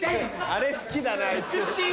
あれ好きだなあいつ。